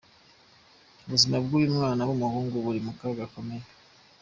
Ubuzima bw'uyu mwana w'umuhungu buri mu kaga gakomeye.